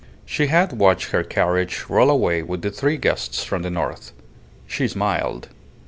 She had watched her carriage roll away with the three guests from the north. She smiled.